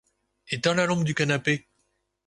Éteins la lampe du canapé.